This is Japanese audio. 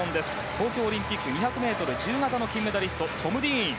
東京オリンピック２００ｍ自由形の金メダリストトム・ディーン。